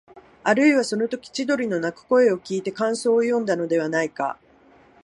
あるいは、そのとき千鳥の鳴く声をきいて感想をよんだのではないか、